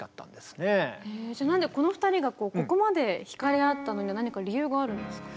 この２人がここまで惹かれ合ったのには何か理由があるんですか？